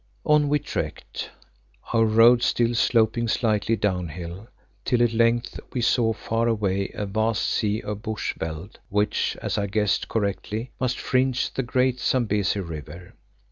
On we trekked, our road still sloping slightly down hill, till at length we saw far away a vast sea of bush veld which, as I guessed correctly, must fringe the great Zambesi River.